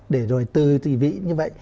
để rồi từ tỷ vị như vậy